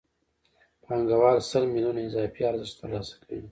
پانګوال سل میلیونه اضافي ارزښت ترلاسه کوي